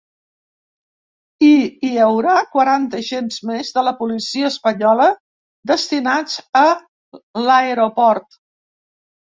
I hi haurà quaranta agents més de la policia espanyola destinats a l’aeroport.